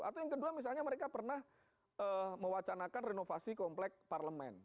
atau yang kedua misalnya mereka pernah mewacanakan renovasi komplek parlemen